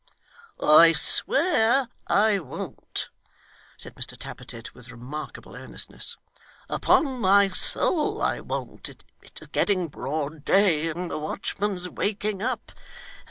'I swear I won't,' said Mr Tappertit, with remarkable earnestness. 'Upon my soul I won't. It's getting broad day, and the watchman's waking up.